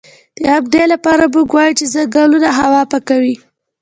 د همدې لپاره موږ وایو چې ځنګلونه هوا پاکوي